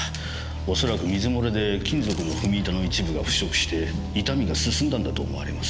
恐らく水漏れで金属の踏み板の一部が腐食して傷みが進んだのだと思われます。